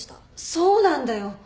そうなんだよ！